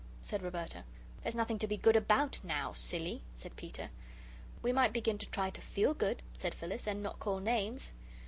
said Roberta. "There's nothing to be good ABOUT now, silly," said Peter. "We might begin to try to FEEL good," said Phyllis, "and not call names."